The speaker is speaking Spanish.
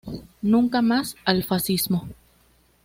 Nunca más el fascismo.